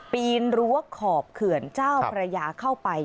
ปีนรั้วขอบเขื่อนเจ้าพระยาเข้าไป